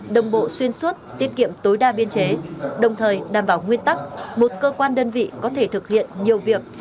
đồng bộ xuyên suốt tiết kiệm tối đa biên chế đồng thời đảm bảo nguyên tắc một cơ quan đơn vị có thể thực hiện nhiều việc